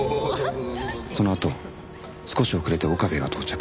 そのあと少し遅れて岡部が到着。